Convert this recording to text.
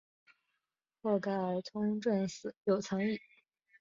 后改通政司右参议。